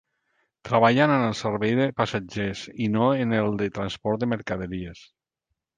Treballen en el servei de passatgers i no en el de transport de mercaderies.